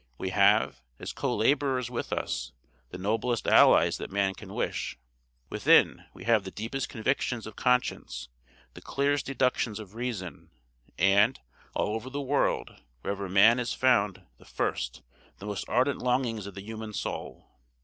We have, as co laborers with us, the noblest allies that man can wish. Within, we have the deepest convictions of conscience, the clearest deductions of reason; and, all over the world, wherever man is found, the first, the most ardent longings of the human soul.